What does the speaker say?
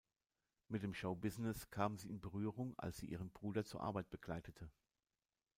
Mit dem Showbusiness kam sie in Berührung, als sie ihren Bruder zur Arbeit begleitete.